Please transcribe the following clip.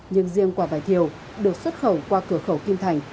nhưng riêng quả vải thiều được xuất khẩu qua cửa khẩu kim thành